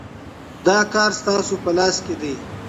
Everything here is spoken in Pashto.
دا کار ستاسو په لاس کي دی.